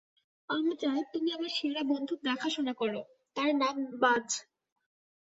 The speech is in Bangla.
আমি চাই, তুমি আমার সেরা বন্ধুর দেখাশোনা করো, তার নাম বায।